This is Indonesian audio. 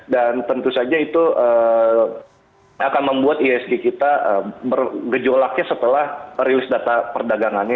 dan tentu saja itu akan membuat ihsg kita gejolaknya setelah rilis data perdagangannya